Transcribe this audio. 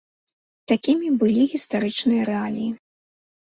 Такімі былі гістарычныя рэаліі.